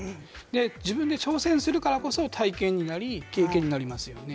自分で挑戦するからこそ、体験になり、経験になりますよね。